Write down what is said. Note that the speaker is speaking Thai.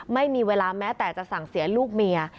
ไม่มีเวลาแม้แต่จะสั่งเสียลูกเมีย